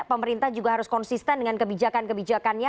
pemerintah juga harus konsisten dengan kebijakan kebijakannya